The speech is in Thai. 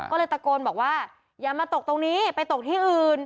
ก็เลยตะโกนบอกว่าอย่ามาตกตรงนี้ไปตกที่อื่น